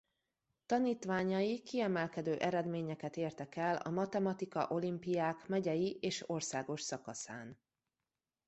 Tanítványai kiemelkedő eredményeket értek el a matematika olimpiák megyei és országos szakaszán.